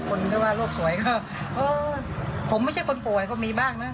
คนที่ว่าโรคสวยก็เออผมไม่ใช่คนป่วยก็มีบ้างนะ